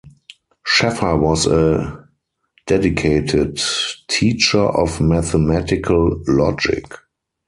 Sheffer was a dedicated teacher of mathematical logic.